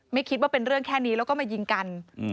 ไม่คิดว่าเป็นเรื่องแค่นี้แล้วก็มายิงกัน